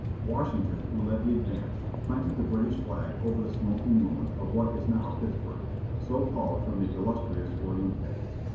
Washington, who led the advance, planted the British flag over the smoking ruin of what is now Pittsburg, so called from the illustrious William Pitt.